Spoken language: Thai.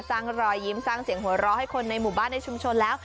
สร้างรอยยิ้มสร้างเสียงหัวเราะให้คนในหมู่บ้านในชุมชนแล้ว